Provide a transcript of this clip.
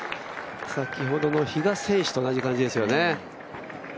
先ほどの比嘉選手と同じ感じですよね。